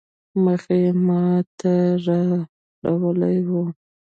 مخ يې ما ته رااړولی وو.